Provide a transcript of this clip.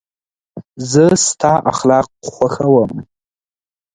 زه ستا اخلاق خوښوم.